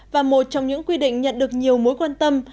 và một trong những quy định nhận được nhiều mối quan tâm